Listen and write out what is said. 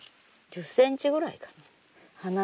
１０ｃｍぐらいかな